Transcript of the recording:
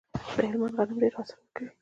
د هلمند غنم ډیر حاصل ورکوي.